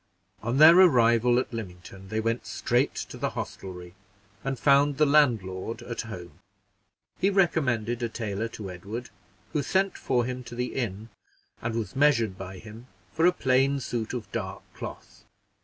On their arrival at Lymington, they went straight to the hostelry, and found the landlord at home. He recommended a tailor to Edward, who sent for him to the inn, and was measured by him for a plain suit of dark cloth.